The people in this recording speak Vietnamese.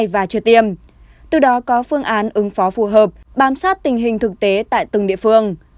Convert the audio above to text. và chưa tiêm từ đó có phương án ứng phó phù hợp bám sát tình hình thực tế tại từng địa phương